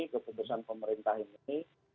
keputusan pemerintah ini